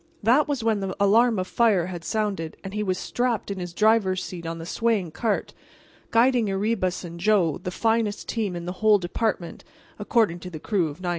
That was when the alarm of fire had sounded and he was strapped in his driver's seat on the swaying cart, guiding Erebus and Joe, the finest team in the whole department—according to the crew of 99.